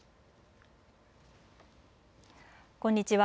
こんにちは。